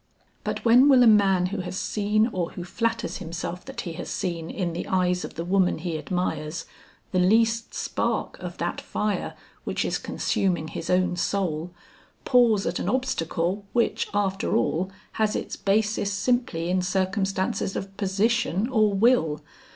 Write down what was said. But when will a man who has seen or who flatters himself that he has seen in the eyes of the woman he admires, the least spark of that fire which is consuming his own soul, pause at an obstacle which after all has its basis simply in circumstances of position or will.